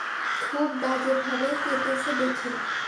খুব বাজেভাবে কেটেছে দেখি।